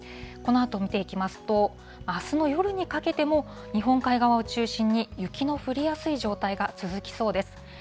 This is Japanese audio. このあと見ていきますと、あすの夜にかけても、日本海側を中心に雪の降りやすい状態が続きそうです。